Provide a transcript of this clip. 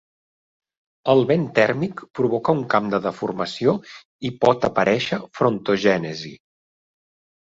El vent tèrmic provoca un camp de deformació i pot aparèixer frontogènesi.